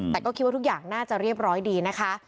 แต่ก็คิดว่าทุกอย่างน่าจะเรียบร้อยดีนะคะ